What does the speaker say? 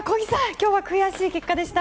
今日は悔しい結果でした。